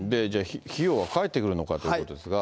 費用は返ってくるのかということですが。